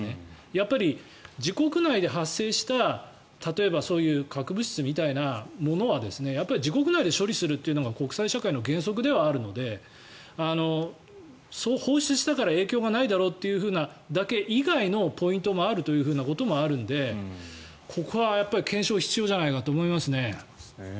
やっぱり自国内で発生した例えば核物質みたいなものは自国内で処理するというのが国際社会の原則ではあるので放出したから影響ないだろうというふうなだけ以外のポイントもあるということもあるのでここは検証が必要じゃないかなと思いますね。